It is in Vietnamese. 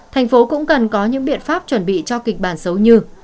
thành phố cũng cần có những biện pháp chuẩn bị cho kịch bản xấu như